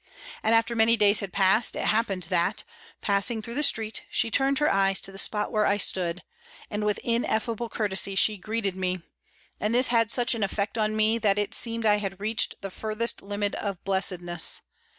And after many days had passed, it happened that, passing through the street, she turned her eyes to the spot where I stood, and with ineffable courtesy she greeted me; and this had such an effect on me that it seemed I had reached the furthest limit of blessedness.